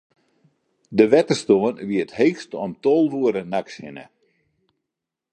De wetterstân wie it heechst om tolve oere nachts hinne.